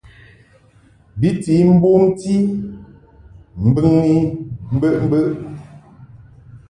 Bi ti bomti mbɨŋni mbəʼmbəʼ.